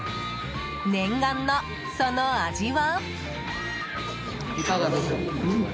念願の、その味は？